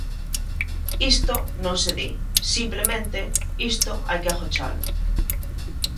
Isto non se di, simplemente isto hai que agochalo.